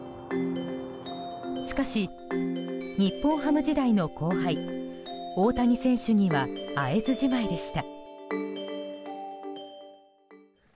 しかし、日本ハム時代の後輩大谷選手には会えずじまいでした。